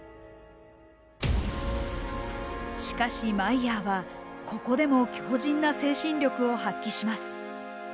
しかし、マイヤーは、ここでも強じんな精神力を発揮します。